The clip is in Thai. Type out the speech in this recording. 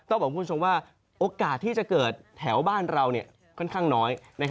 ต้องบอกคุณชมว่าโอกาสที่จะเกิดแถวบ้านเราเนี่ยค่อนข้างน้อยนะครับ